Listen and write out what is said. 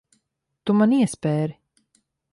Tu man iespēri.